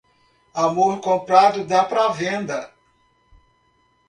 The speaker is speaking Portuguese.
Amor comprado dá para venda.